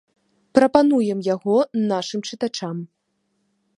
Прапануем яго нашым чытачам.